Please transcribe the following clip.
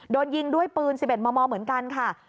โดนยิงด้วยปืน๑๑มมเหมือนกันค่ะ